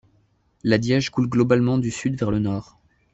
La Diège coule globalement du sud vers le nord.